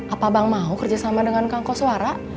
apa bang mau kerjasama dengan kang koswara